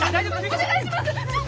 ⁉お願いします！